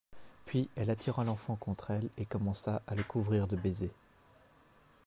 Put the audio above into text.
Puis, elle attira l'enfant contre elle et commença à le couvrir de baisers.